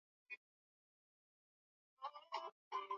Chupa imejaa